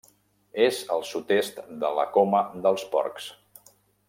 És al sud-est de la Coma dels Porcs.